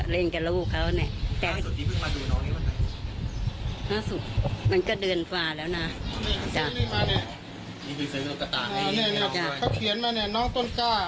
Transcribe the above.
เล่นกับลูกเขาน่ะเพราะฉะนั้นผมจะปุ๊บแล้ว